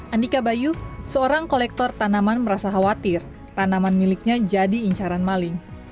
andika bayu seorang kolektor tanaman merasa khawatir tanaman miliknya jadi incaran maling